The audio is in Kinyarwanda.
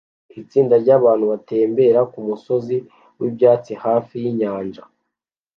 Itsinda ryabantu batembera kumusozi wibyatsi hafi yinyanja